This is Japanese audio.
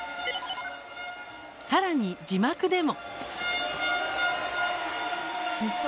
さらに字幕でも。